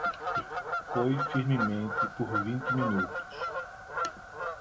Coe firmemente por vinte minutos.